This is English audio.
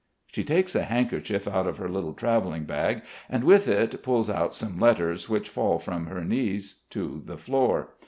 She takes a handkerchief out of her little travelling bag and with it pulls out some letters which fall from her knees to the floor.